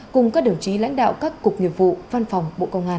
cùng các đồng chí lãnh đạo các cục nghiệp vụ văn phòng bộ công an